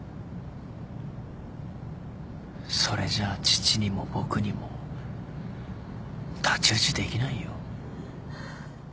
それじゃあ父にも僕にも太刀打ちできないよ。